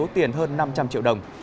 tiền hơn năm trăm linh triệu đồng